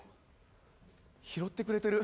拾ってくれてる。